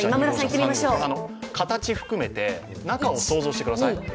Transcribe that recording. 形を含めて、中を想像してください。